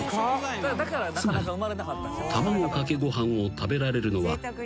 ［つまり卵かけご飯を食べられるのは］